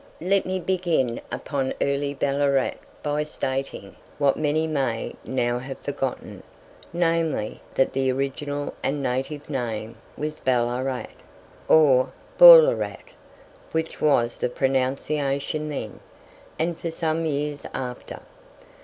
Let me begin upon early Ballarat by stating, what many may now have forgotten, namely, that the original and native name was Balaarat, or Ballaarat, which was the pronunciation then, and for some years after.